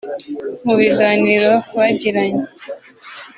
Mu biganiro bagiranye